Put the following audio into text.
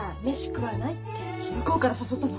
向こうから誘ったの？